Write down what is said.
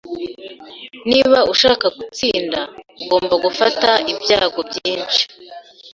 Niba ushaka gutsinda, ugomba gufata ibyago byinshi.